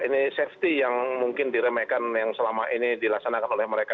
ini safety yang mungkin diremehkan yang selama ini dilaksanakan oleh mereka